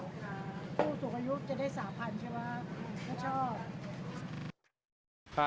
ผู้สูงอายุจะได้สาพันธุ์ใช่ไหมก็ชอบ